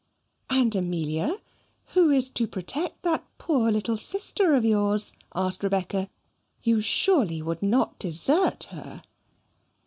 "And Amelia? Who is to protect that poor little sister of yours?" asked Rebecca. "You surely would not desert her?"